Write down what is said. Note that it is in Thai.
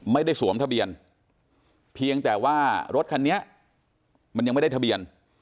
สวมทะเบียนเพียงแต่ว่ารถคันนี้มันยังไม่ได้ทะเบียน